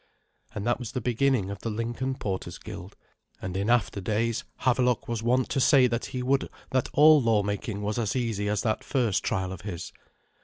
And that was the beginning of the Lincoln porters' guild; and in after days Havelok was wont to say that he would that all lawmaking was as easy as that first trial of his.